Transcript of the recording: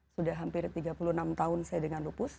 sudah hampir tiga puluh enam tahun saya dengan lupus